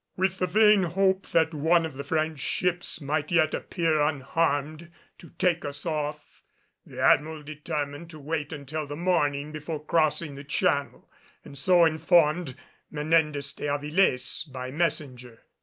With the vain hope that one of the French ships might yet appear unharmed to take us off, the Admiral determined to wait until the morning before crossing the channel, and so informed Menendez de Avilés by messenger.